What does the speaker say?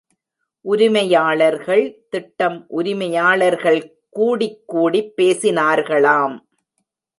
உரிமையாளர்கள் திட்டம் உரிமையாளர்கள் கூடிக்கூடிப் பேசினார்களாம்.